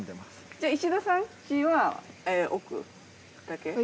じゃあ石田さん家は奥だけ？